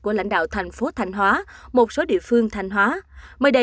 của lãnh đạo thành phố thành hóa một số địa phương thành hóa